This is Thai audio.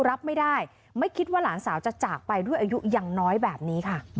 รับไม่ได้ไม่คิดว่าหลานสาวจะจากไปด้วยอายุอย่างน้อยแบบนี้ค่ะ